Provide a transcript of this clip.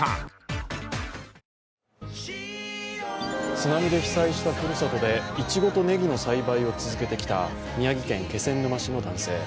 津波で被災したふるさとでいちごとねぎの栽培を続けてきた宮城県気仙沼市の男性。